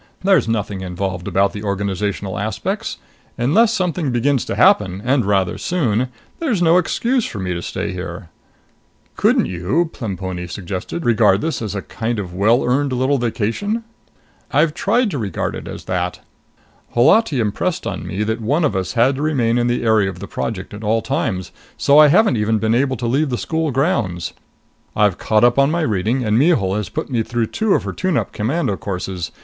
There's nothing involved about the organizational aspects. Unless something begins to happen and rather soon there's no excuse for me to stay here." "Couldn't you," Plemponi suggested, "regard this as a kind of well earned little vacation?" "I've tried to regard it as that. Holati impressed on me that one of us had to remain in the area of the Project at all times, so I haven't even been able to leave the school grounds. I've caught up with my reading, and Mihul has put me through two of her tune up commando courses.